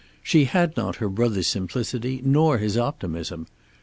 She had not her brother's simplicity nor his optimism.